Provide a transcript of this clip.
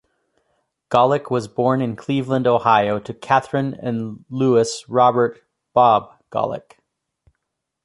Golic was born in Cleveland, Ohio to Catherine and Louis Robert "Bob" Golic.